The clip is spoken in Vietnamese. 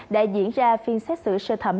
đã diễn ra phiên xét xử sơ thẩm